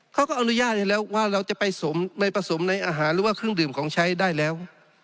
เขาก็อนุญาตให้แล้วว่าเราจะไปผสมในอาหารหรือว่าเครื่องดื่มของใช้ได้แล้ว